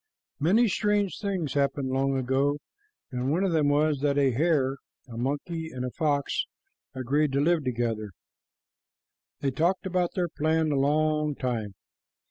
Many strange things happened long ago, and one of them was that a hare, a monkey, and a fox agreed to live together. They talked about their plan a long time.